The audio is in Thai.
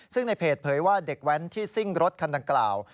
ซึ่งในเพจเผยว่าเด็กแว้นที่ซิ่งรถคันดังกล่าว